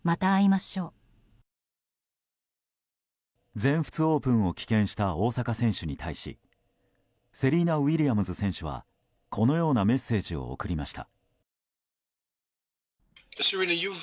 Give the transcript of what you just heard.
全仏オープンを棄権した大坂選手に対しセリーナ・ウィリアムズ選手はこのようなメッセージを送りました。